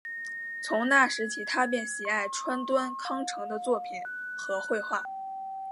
从那时起他便喜爱川端康成的作品和绘画。